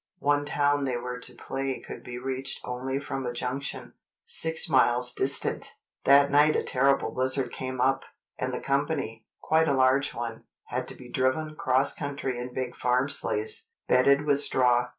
One town they were to play could be reached only from a junction, six miles distant. That night a terrible blizzard came up, and the company, quite a large one, had to be driven cross country in big farm sleighs, bedded with straw.